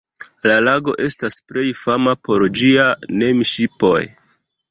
La lago estas plej fama por ĝia Nemi-ŝipoj.